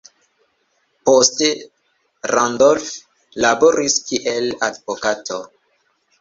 Poste Randolph laboris kiel advokato.